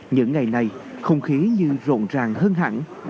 những ngày này không khí như rộn ràng hơn hẳn